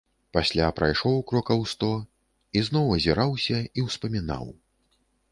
Пасля прайшоў крокаў сто і зноў азіраўся і ўспамінаў.